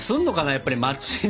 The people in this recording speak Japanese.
やっぱり街に。